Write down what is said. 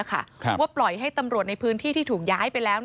ปล่อยให้ตำรวจในพื้นที่ที่ถูกย้ายไปแล้ว